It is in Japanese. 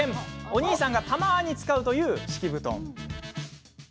お兄さんがたまに使うという敷布団。